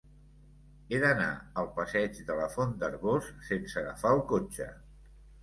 He d'anar al passeig de la Font d'Arboç sense agafar el cotxe.